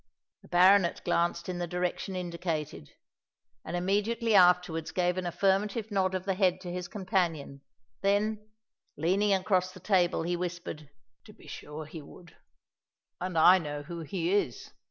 The baronet glanced in the direction indicated; and immediately afterwards gave an affirmative nod of the head to his companion: then, leaning across the table he whispered, "To be sure he would; and I know who he is.